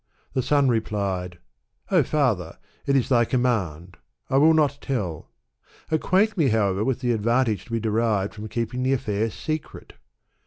The son replied, " O father ! it is thy com mand ; I will not tell ; acquaint me, however, with the advantage to be derived from keeping the affair secret."